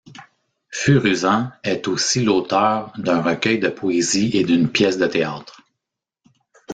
Füruzan est aussi l'auteure d'un recueil de poésies et d'une pièce de théâtre.